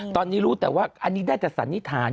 ตอนนี้รู้แต่ว่าอันนี้ได้แต่สันนิษฐาน